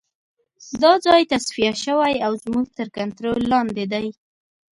دا ځای تصفیه شوی او زموږ تر کنترول لاندې دی